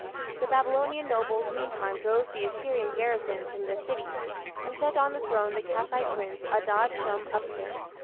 The Babylonian nobles meantime drove the Assyrian garrisons from their cities, and set on the throne the Kassite prince Adad shum utsur.